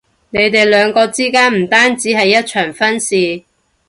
你哋兩個之間唔單止係一場婚事